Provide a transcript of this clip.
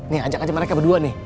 nih ajak aja mereka berdua nih